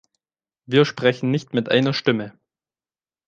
Wir sprechen nicht mit einer Stimme.